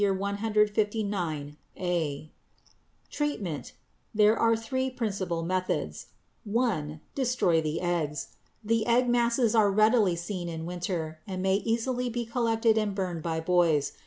159, a. Treatment. There are three principal methods, (1) Destroy the eggs. The egg masses are readily seen in winter and may easily be collected and burned by boys.